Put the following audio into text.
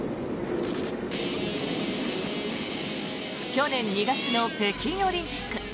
去年２月の北京オリンピック。